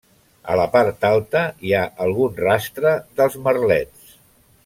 A la part alta hi ha algun rastre dels merlets.